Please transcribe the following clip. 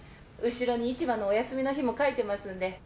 後ろに市場のお休みの日も書いてますんで。